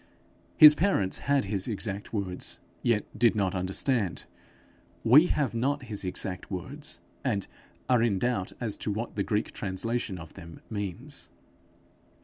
His parents had his exact words, yet did not understand. We have not his exact words, and are in doubt as to what the Greek translation of them means.